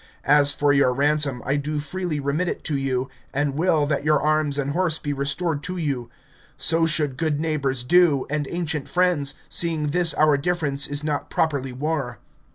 As for your ransom, I do freely remit it to you, and will that your arms and horse be restored to you; so should good neighbours do, and ancient friends, seeing this our difference is not properly war.